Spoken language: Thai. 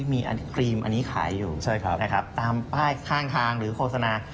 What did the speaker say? มีครีมอันนี้ขายอยู่นะครับตามป้ายข้างทางหรือโฆษณา